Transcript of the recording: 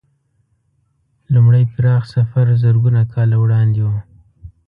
لومړی پراخ سفر زرګونه کاله وړاندې و.